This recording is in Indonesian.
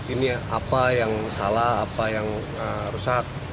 ini apa yang salah apa yang rusak